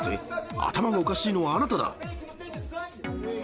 頭がおかしいのはあなただ。